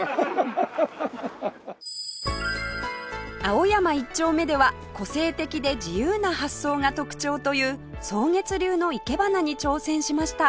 青山一丁目では個性的で自由な発想が特徴という草月流のいけばなに挑戦しました